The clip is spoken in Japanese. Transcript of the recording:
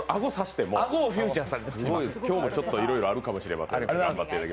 今日もいろいろあるかもしれません。